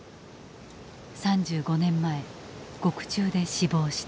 ３５年前獄中で死亡した。